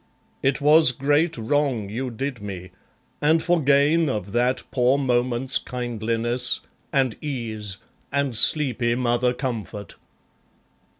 It was great wrong you did me; and for gain Of that poor moment's kindliness, and ease, And sleepy mother comfort!